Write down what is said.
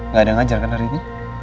gak ada ngajar kan hari ini